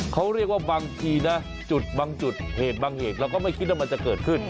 เขาเรียกว่าบางทีนะจุดบางจุดเหตุบางเหตุเราก็ไม่คิดว่ามันจะเกิดขึ้น